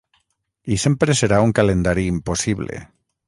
I sempre serà un calendari impossible.